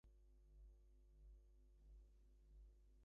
Conversely, the coupling increases with decreasing energy scale.